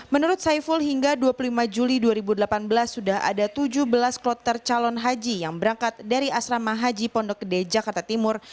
menurut saiful hingga dua puluh lima juli dua ribu delapan belas sudah ada tujuh belas kloter calon haji yang berangkat dari asrama haji pondok gede jakarta timur